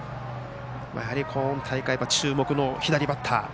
やはり今大会、注目の左バッター。